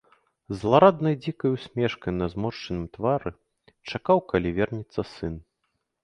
З злараднай дзікай усмешкай на зморшчаным твары чакаў, калі вернецца сын.